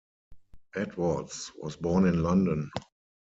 Edwards was born in London.